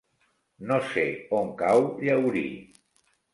No sé on cau Llaurí.